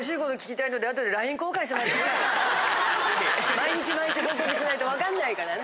毎日毎日報告しないと分かんないからね。